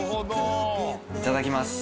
いただきます。